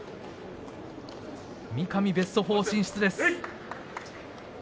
三上、ベスト４進出です。